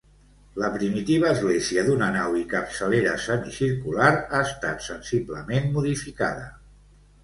La primitiva església d'una nau i capçalera semicircular ha estat sensiblement modificada.